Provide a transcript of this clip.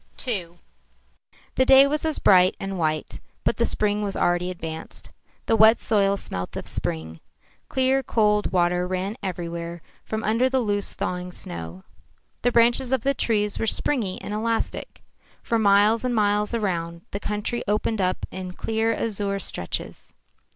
II The day was as bright and white, but the spring was already advanced. The wet soil smelt of spring. Clear cold water ran everywhere from under the loose, thawing snow. The branches of the trees were springy and elastic. For miles and miles around, the country opened up in clear azure stretches.